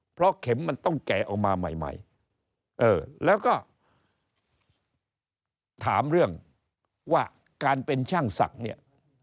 เพราะเข็มมันต้องแกะออกมาใหม่เออแล้วก็ถามเรื่องว่าการเป็นช่างศักดิ์เนี่ย